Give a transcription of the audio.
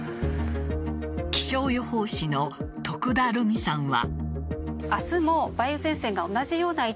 気象予報士の徳田留美さんは。